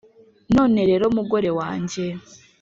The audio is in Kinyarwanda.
None rero mugore wanjye